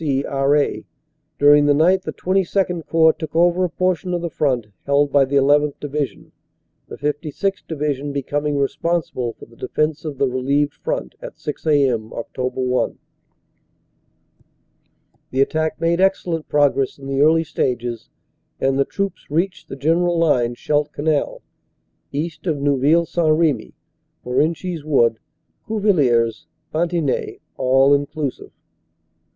C., R.A. During the night the XXII Corps took over a portion of the front held by the 1 1th. Division, the 56th. Divi sion becoming responsible for the defense of the relieved front at 6a.m., Oct. 1. "The attack made excellent progress in the early stages, and the troops reached the general line, Scheldt Canal (east of Neuville St. Remy) Morenchies Wood Cuvillers Ban tigny (all inclusive).